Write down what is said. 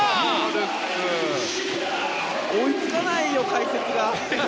追いつかないよ、解説が。